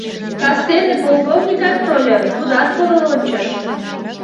Кастене полковникат тольо, тудат подыл ончыш.